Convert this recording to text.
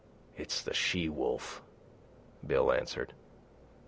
"It's the she wolf," Bill answered.